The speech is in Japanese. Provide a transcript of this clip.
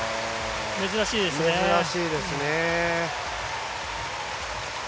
珍しいですね。